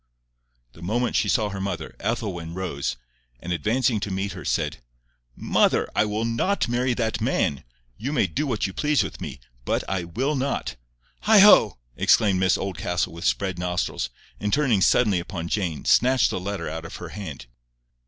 The moment she saw her mother, Ethelwyn rose, and advancing to meet her, said, "Mother, I will NOT marry that man. You may do what you please with me, but I WILL NOT." "Heigho!" exclaimed Mrs Oldcastle with spread nostrils, and turning suddenly upon Jane, snatched the letter out of her hand.